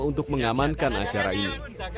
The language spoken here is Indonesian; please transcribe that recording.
untuk mengamankan acara ini